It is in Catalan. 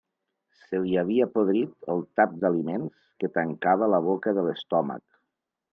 Se li havia podrit el tap d'aliments que tancava la boca de l'estómac.